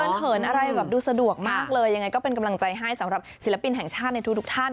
มันเหินอะไรแบบดูสะดวกมากเลยยังไงก็เป็นกำลังใจให้สำหรับศิลปินแห่งชาติในทุกท่าน